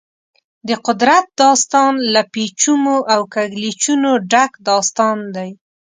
د قدرت داستان له پېچومو او کږلېچونو ډک داستان دی.